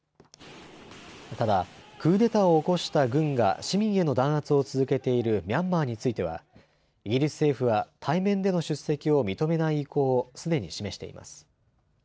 ただクーデターを起こした軍が市民への弾圧を続けているミャンマーについてはイギリス政府は対面での出席を認めない意向をすでに示しています。